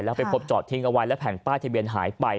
แล้วไปพบจอดทิ้งเอาไว้แล้วแผ่นป้ายทะเบียนหายไป